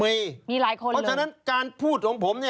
มีมีหลายคนเลยเพราะฉะนั้นการพูดของผม